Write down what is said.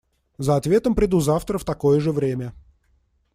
За ответом приду завтра в такое же время.